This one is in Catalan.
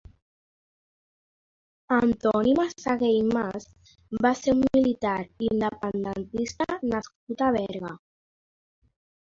Antoní Massaguer i Mas va ser un militant independentista nascut a Berga.